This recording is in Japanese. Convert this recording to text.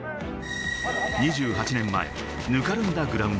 ２８年前、ぬかるんだグラウンド。